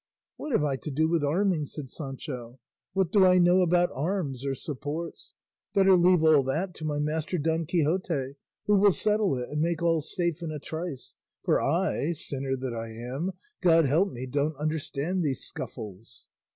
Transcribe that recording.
"What have I to do with arming?" said Sancho. "What do I know about arms or supports? Better leave all that to my master Don Quixote, who will settle it and make all safe in a trice; for I, sinner that I am, God help me, don't understand these scuffles."